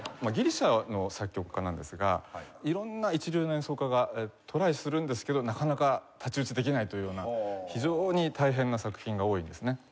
ギリシャの作曲家なんですが色んな一流の演奏家がトライするんですけどなかなか太刀打ちできないというような非常に大変な作品が多いですね。